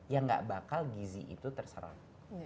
yang gak bakal gizi itu terserah